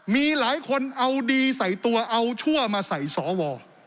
มีหลายคนเอาดีใส่ตัวเอาชั่วมาใส่สว